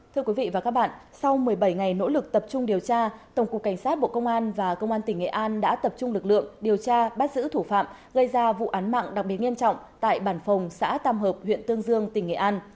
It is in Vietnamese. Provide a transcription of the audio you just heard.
thưa quý vị và các bạn sau một mươi bảy ngày nỗ lực tập trung điều tra tổng cục cảnh sát bộ công an và công an tỉnh nghệ an đã tập trung lực lượng điều tra bắt giữ thủ phạm gây ra vụ án mạng đặc biệt nghiêm trọng tại bản phòng xã tam hợp huyện tương dương tỉnh nghệ an